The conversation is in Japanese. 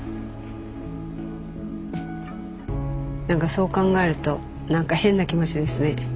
何かそう考えると何か変な気持ちですね。